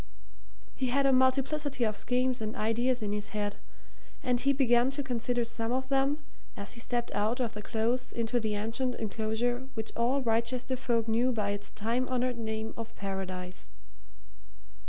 He had a multiplicity of schemes and ideas in his head, and he began to consider some of them as he stepped out of the Close into the ancient enclosure which all Wrychester folk knew by its time honoured name of Paradise.